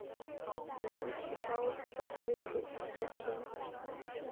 本鱼体稍长且侧扁。